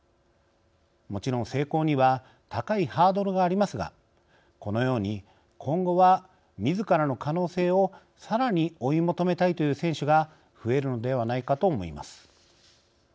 もちろん成功には高いハードルがありますがこのように、今後はみずからの可能性をさらに追い求めたいという選手が増えるのではないかと思います。